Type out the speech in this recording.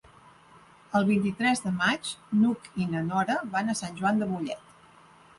El vint-i-tres de maig n'Hug i na Nora van a Sant Joan de Mollet.